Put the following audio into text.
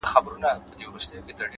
اراده داخلي کمزوري ماتوي؛